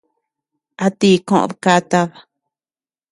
¿A tii koʼöd katad?